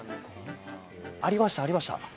ありました、ありました。